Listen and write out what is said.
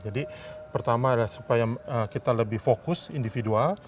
jadi pertama supaya kita lebih fokus individual